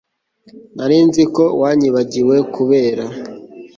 nari nzi ko wanyibagiwe, kubera